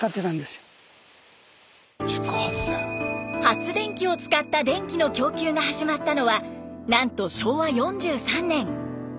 発電機を使った電気の供給が始まったのはなんと昭和４３年。